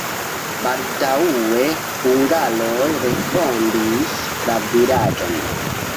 Baldaŭe hungaroj refondis la vilaĝon.